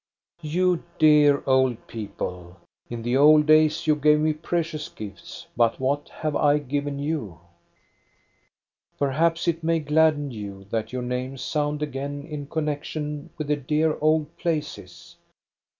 You dear old people ! In the old days you gave me precious gifts. But what have I given you.? Perhaps it may gladden you that your names sound again in connection with the dear old places.?